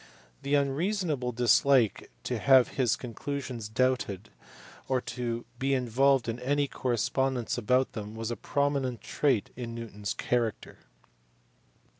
The unreasonable dislike to have his conclusions doubted or to be involved in any correspondence about them was a prominent trait in Newton s character.